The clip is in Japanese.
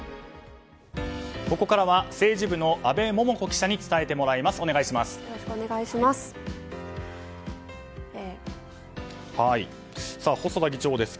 ここからは政治部の阿部桃子記者に伝えてもらいます。